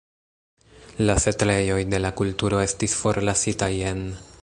La setlejoj de la kulturo estis forlasitaj en.